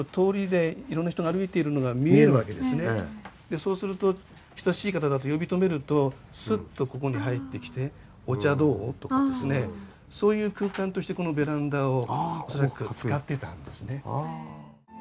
そうすると親しい方だと呼び止めるとスッとここに入ってきて「お茶どう？」とかですねそういう空間としてこのベランダを恐らく使ってたんですね。